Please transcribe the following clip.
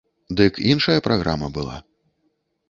Дык іншая праграма была.